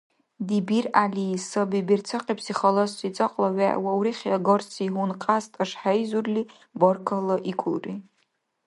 ДибиргӀяли саби берцахъибси халаси цӀакьла вегӀ ва урехиагарси гьункьяс тӀашхӀейзурли баркаллаикӀулри.